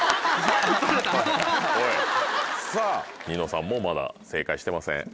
さぁニノさんもまだ正解してません。